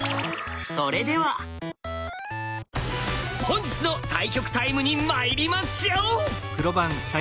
本日の対局タイムにまいりましょう！